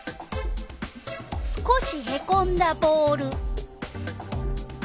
少しへこんだボール。